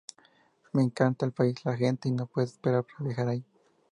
Me encanta el país, la gente y no puedo esperar para viajar allí.